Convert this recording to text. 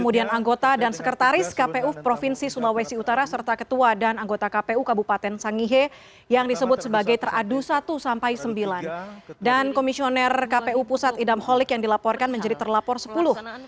dan anggota sekretaris kepala bagian penyelenggara pemilu